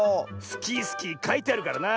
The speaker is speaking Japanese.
「スキースキー」かいてあるからな。